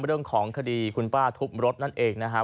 เรื่องของคดีคุณป้าทุบรถนั่นเองนะครับ